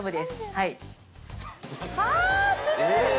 はい。